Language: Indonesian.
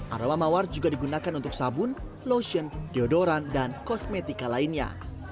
aroma mawar juga digunakan untuk sabun lotion deodoran dan kosmetika lainnya